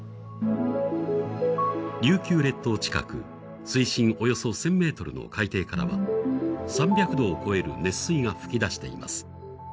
琉球列島近く、水深およそ１０００ｍの海底からは３００度を超える熱水が噴き出しています。